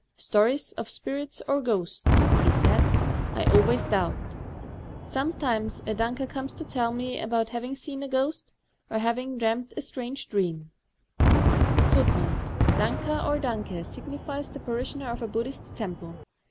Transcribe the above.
" Stories of spirits or ghosts," he said, " I always doubt. Sometimes a danka^ comes to tell me about having seen a ghost, or having dreamed a strange dream; but whenever I question such a 1 Danks or danki agniBes the puithioiier of a Buddhiat temple.